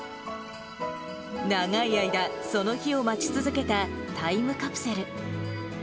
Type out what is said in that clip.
長い間、その日を待ち続けたタイムカプセル。